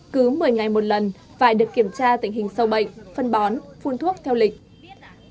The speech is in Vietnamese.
cứ một mươi ngày một lần phải được kiểm tra tình hình sâu bệnh phân bón phun thuốc theo lịch